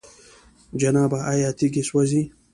جنابه! آيا تيږي سوزي؟